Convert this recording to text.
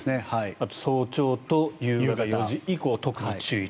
あと早朝と夕方４時以降特に注意と。